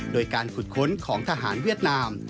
โดยการขุดค้นของทหารเวียดนาม